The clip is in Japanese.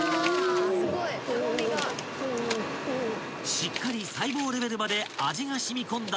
［しっかり細胞レベルまで味が染み込んだ鶏もも肉たち］